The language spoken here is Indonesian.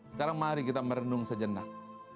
sekarang mari kita merenung sejenak